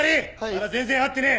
まだ全然合ってねえ！